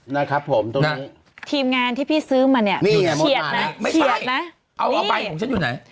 นะครับผมตรงนี้ทีมงานที่พี่ซื้อมาเนี่ยเฉียดนะเฉียดนะเอาใบของฉันอยู่ไหน